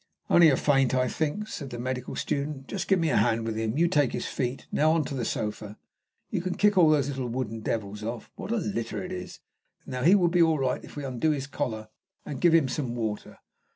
"Only a faint, I think," said the medical student. "Just give me a hand with him. You take his feet. Now on to the sofa. Can you kick all those little wooden devils off? What a litter it is! Now he will be all right if we undo his collar and give him some water.